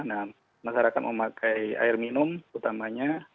nah masyarakat memakai air minum utamanya